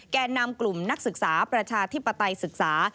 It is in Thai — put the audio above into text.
แก่นำกลุ่มนักศึกษาประชาธิปไตยศึกษา